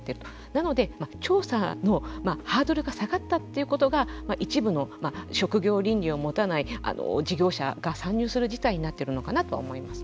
なので、調査のハードルが下がったということが一部の職業倫理を持たない事業者が参入する事態になっているのかなと思います。